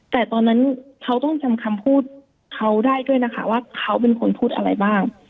แต่ตอนนั้นเขาต้องจำคำพูดเขาได้ด้วยนะคะว่าเขาเป็นคนพูดอะไรบ้าง